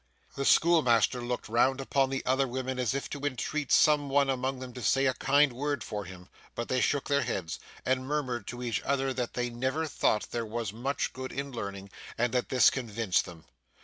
The schoolmaster looked round upon the other women as if to entreat some one among them to say a kind word for him, but they shook their heads, and murmured to each other that they never thought there was much good in learning, and that this convinced them.